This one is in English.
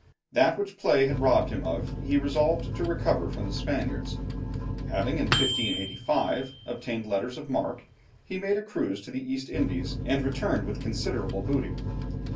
That which play had robbed him of, he resolved to recover from the Spaniards. Having in 1585 obtained letters of mark, he made a cruise to the East Indies and returned with considerable booty.